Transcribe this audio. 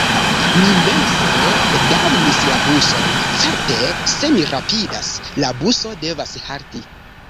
Mi mense damnis la buson: certe, se mi rapidas – la buso devas halti.